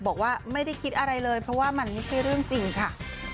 บอกว่าไม่ได้คิดอะไรเลยเพราะว่ามันไม่ใช่เรื่องจริงค่ะ